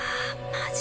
マジ